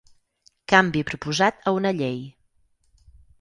Canvi proposat a una llei.